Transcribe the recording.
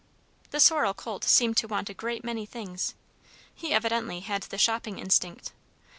The sorrel colt seemed to want a great many things. He evidently had the shopping instinct.